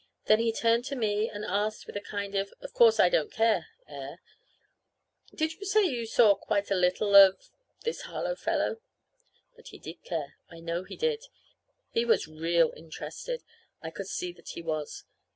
Then he turned to me and asked with a kind of of course I don't care air: "Did you say you saw quite a little of this Harlow fellow?" But he did care. I know he did. He was real interested. I could see that he was.